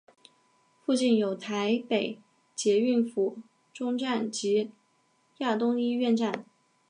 附近有台北捷运府中站及亚东医院站。